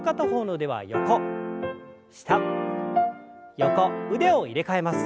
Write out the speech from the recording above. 腕を入れ替えます。